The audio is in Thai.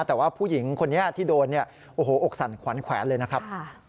แต่ว่าผู้หญิงคนนี้ที่โดนเนี่ยโอ้โหอกสั่นขวัญแขวนเลยนะครับ